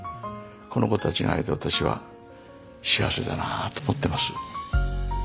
この子たちに会えて私は幸せだなあと思ってます。